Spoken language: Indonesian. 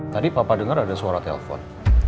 tadi papa denger ada suara telfon